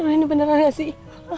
ini beneran gak sih